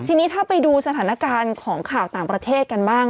ทีนี้ถ้าไปดูสถานการณ์ของข่าวต่างประเทศกันบ้าง